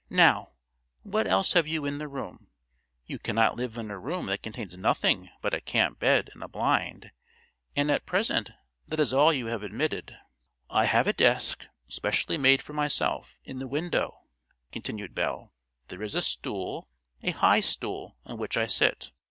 Now, what else have you in the room? You cannot live in a room that contains nothing but a camp bed and a blind, and at present that is all you have admitted." "I have a desk, specially made for myself, in the window," continued Belle; "there is a stool, a high stool, on which I sit.